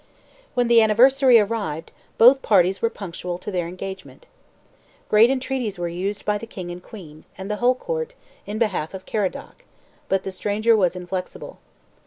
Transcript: When the anniversary arrived, both parties were punctual to their engagement. Great entreaties were used by the king and queen, and the whole court, in behalf of Caradoc, but the stranger was inflexible.